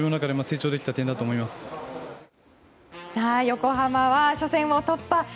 横浜は初戦を突破。